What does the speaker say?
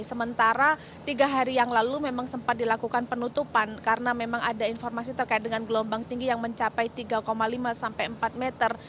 sementara tiga hari yang lalu memang sempat dilakukan penutupan karena memang ada informasi terkait dengan gelombang tinggi yang mencapai tiga lima sampai empat meter